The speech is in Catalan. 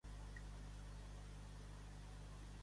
Devil's Den és una petita cova a l'est del llac Massabesic.